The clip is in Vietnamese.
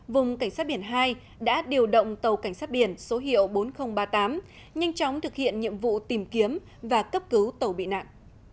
vùng cảnh sát biển hai đã điều động tàu cảnh sát biển số hiệu bốn nghìn ba mươi tám nhanh chóng thực hiện nhiệm vụ tìm kiếm và cấp cứu tàu bị nạn